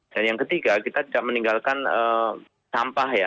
dan yang ketiga kita tidak meninggalkan sampah ya